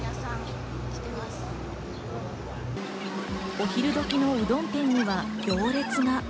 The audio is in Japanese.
お昼どきのうどん店には行列が。